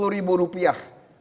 sepuluh ribu rupiah